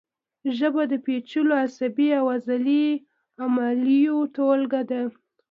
ژبه د پیچلو عصبي او عضلي عملیو ټولګه ده